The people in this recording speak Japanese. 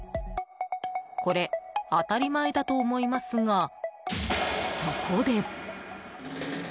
これ、当たり前だと思いますがそこで。